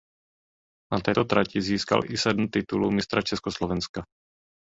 Na této trati získal i sedm titulů mistra Československa.